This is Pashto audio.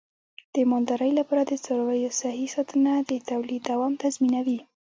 د مالدارۍ لپاره د څارویو صحي ساتنه د تولید دوام تضمینوي.